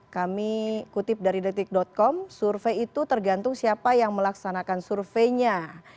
kami kutip dari detik com survei itu tergantung siapa yang melaksanakan surveinya